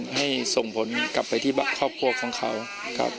ให้ส่งผลกลับไปที่ครอบครัวของเขาครับ